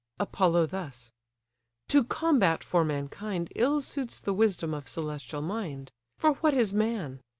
Apollo thus: "To combat for mankind Ill suits the wisdom of celestial mind; For what is man?